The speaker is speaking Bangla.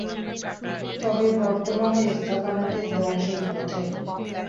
তবে বর্তমানে স্থাপনাটি ধ্বংসের পথে।